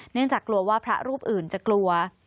เนื่องจากกลัวว่าพระรูปอื่นจะกลัว